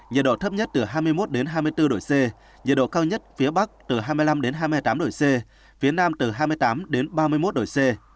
nhiệt độ thấp nhất hai mươi một hai mươi bốn độ c nhiệt độ cao nhất phía bắc hai mươi năm hai mươi tám độ c phía nam hai mươi tám ba mươi một độ c